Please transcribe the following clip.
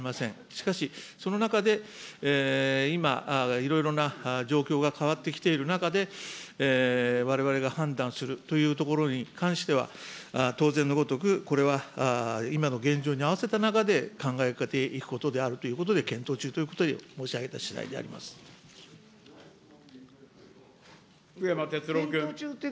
しかし、その中で、今、いろいろな状況が変わってきている中で、われわれが判断するというところに関しては、当然のごとく、これは今の現状に合わせた中で、考えていくということの中で、検討中ということで申し上げたしだ福山哲郎君。